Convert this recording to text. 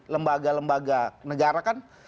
lembaga lembaga negara kan